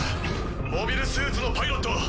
モビルスーツのパイロット